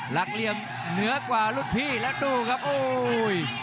หลักเลียนเหนือกว่ารุ่นพี่และดูครับโอ้โห